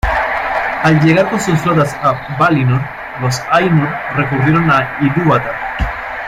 Al llegar con sus flotas a Valinor, los Ainur recurrieron a Ilúvatar.